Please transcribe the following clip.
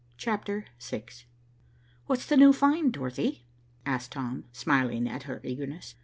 CHAPTER VI "What's the new find, Dorothy?" asked Tom, smiling at her eagerness.